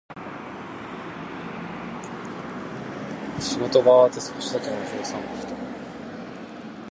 仕事が終わって、少しだけ街を散歩した。